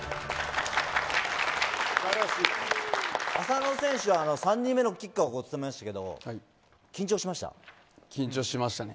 浅野選手は３人目のキッカーを務めましたけど緊張しましたね。